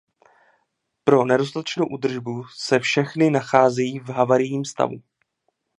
Pro nedostatečnou údržbu se všechny nacházejí v havarijním stavu.